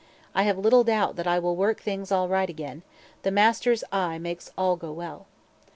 I have little doubt that I will work things all right again; the master's eye makes all go well.